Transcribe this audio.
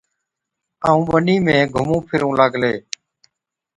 ائُون ٻنِي ۾ گھُمُون ڦرُون لاگلي۔